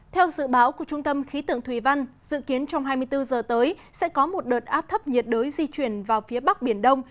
theo dự báo của trung tâm khí tượng thủy văn dự kiến trong hai mươi bốn giờ tới sẽ có một đợt áp thấp nhiệt đới di chuyển vào phía bắc biển đông